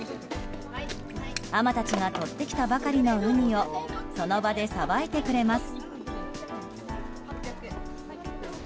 海女たちがとってきたばかりのウニをその場でさばいてくれます。